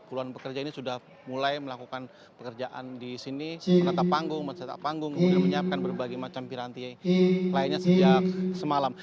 puluhan pekerja ini sudah mulai melakukan pekerjaan di sini menata panggung mencetak panggung kemudian menyiapkan berbagai macam piranti lainnya sejak semalam